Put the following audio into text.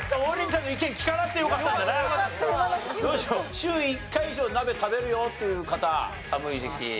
週１回以上鍋食べるよっていう方寒い時期。